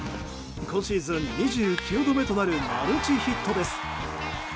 今シーズン２９度目となるマルチヒットです。